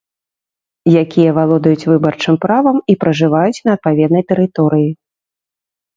Якія валодаюць выбарчым правам і пражываюць на адпаведнай тэрыторыі.